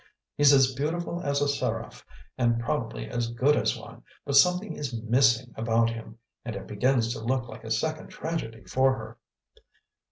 He's as beautiful as a seraph and probably as good as one, but something is MISSING about him and it begins to look like a second tragedy for her."